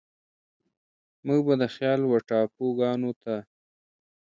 موږ به د خيال و ټاپوګانوته،